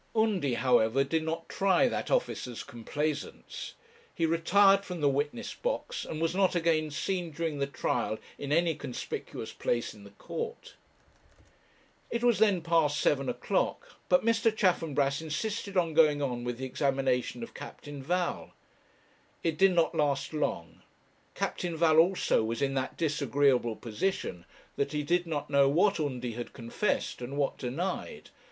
Undy, however, did not try that officer's complaisance. He retired from the witness box, and was not again seen during the trial in any conspicuous place in the court. It was then past seven o'clock; but Mr. Chaffanbrass insisted on going on with the examination of Captain Val. It did not last long. Captain Val, also, was in that disagreeable position, that he did not know what Undy had confessed, and what denied.